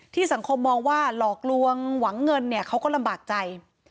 สังคมมองว่าหลอกลวงหวังเงินเนี่ยเขาก็ลำบากใจ